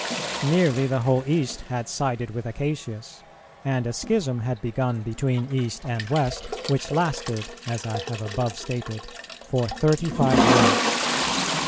Nearly the whole East had sided with Acacius, and a schism had begun between East and West, which lasted, as I have above stated, for thirty five years.